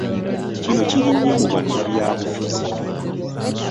Kino kiri nnyo mu bannabyabufuzi.